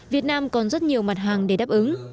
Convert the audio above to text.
việt nam còn rất nhiều mặt hàng để đáp ứng